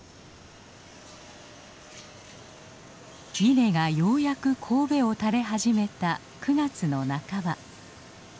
稲がようやくこうべを垂れ始めた９月の半ば。